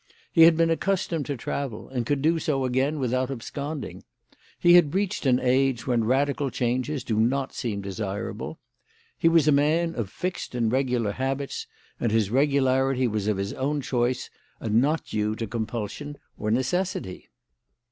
He had been accustomed to travel, and could do so again without absconding. He had reached an age when radical changes do not seem desirable. He was a man of fixed and regular habits, and his regularity was of his own choice and not due to compulsion or necessity.